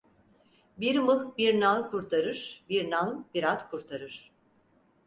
Bir mıh bir nal kurtarır, bir nal bir at kurtarır.